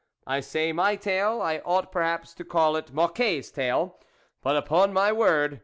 I say my tale ; I ought perhaps to call it Mocquet's tale but, upon my word